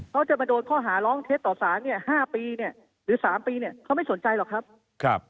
เขาจะมาโดนข้อหาร้องเท็จต่อศาล๕ปีหรือ๓ปีเขาไม่สนใจหรอกครับ